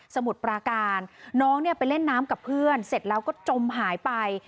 มุดปราการน้องเนี่ยไปเล่นน้ำกับเพื่อนเสร็จแล้วก็จมหายไป